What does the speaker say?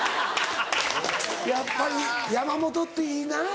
やっぱり山本っていいなぁ。